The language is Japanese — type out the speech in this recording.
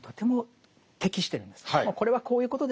これはこういうことですよ。